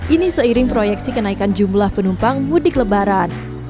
ini seiring proyeksi kenaikan jumlah penumpang mudik lebaran